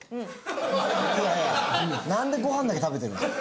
いやいやなんでご飯だけ食べてるんですか？